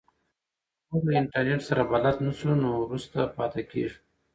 که موږ له انټرنیټ سره بلد نه سو نو وروسته پاتې کیږو.